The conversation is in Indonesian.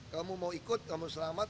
kamu mau ikut kamu selamat